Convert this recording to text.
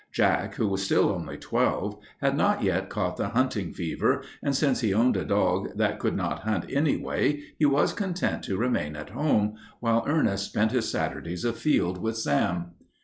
Jack, who was still only twelve, had not yet caught the hunting fever, and since he owned a dog that could not hunt anyway, he was content to remain at home, while Ernest spent his Saturdays afield with Sam.